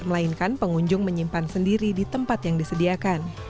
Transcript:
melainkan pengunjung menyimpan sendiri di tempat yang disediakan